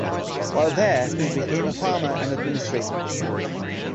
While there he became a farmer and administrator.